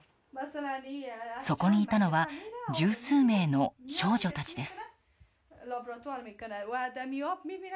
そこにいたのは十数名の少女たちです。